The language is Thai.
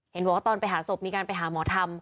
เห็นบอกว่าตอนไปหาศพมีการไปหาหมอธรรม